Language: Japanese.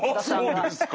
そうですか。